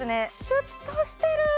シュッとしてる！